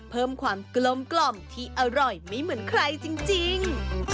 เพิ่มความกลมที่อร่อยไม่เหมือนใครจริง